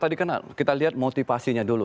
tadi kan kita lihat motivasinya dulu